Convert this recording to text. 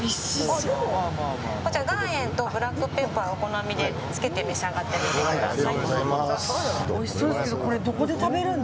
こちら岩塩とブラックペッパーをお好みでつけて召し上がってみてください。